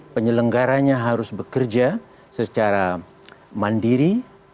penyelenggaranya harus bekerja secara mandiri